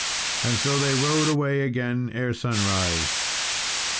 And so they rode away again ere sunrise.